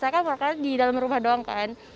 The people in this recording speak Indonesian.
kan di dalam rumah doang kan